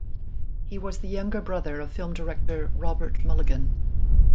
He was the younger brother of film director Robert Mulligan.